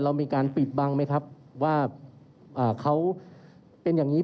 เรามีการปิดบันทึกจับกลุ่มเขาหรือหลังเกิดเหตุแล้วเนี่ย